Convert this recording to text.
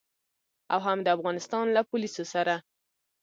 او هم د افغانستان له پوليسو سره.